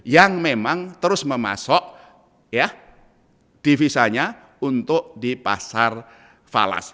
yang memang terus memasuk ya divisanya untuk di pasar falas